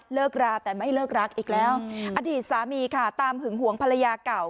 เลิกราแต่ไม่เลิกรักอีกแล้วอดีตสามีค่ะตามหึงหวงภรรยาเก่า